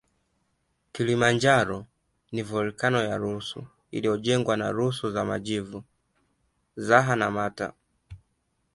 Kilimanjaro ni volkeno ya rusu iliyojengwa na rusu za majivu zaha na mata